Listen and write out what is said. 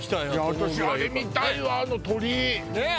私あれ見たいわあの鳥居。